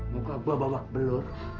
muka gue babak belur